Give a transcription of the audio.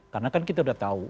karena kan kita sudah tahu